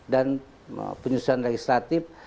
dan penyusunan legislatif